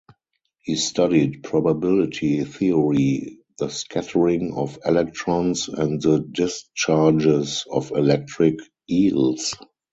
He studied probability theory, the scattering of electrons, and the discharges of electric eels.